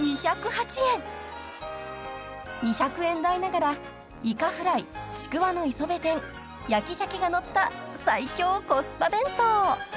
［２００円台ながらイカフライちくわの磯辺天焼き鮭がのった最強コスパ弁当］